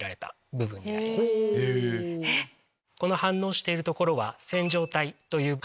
この反応している所は。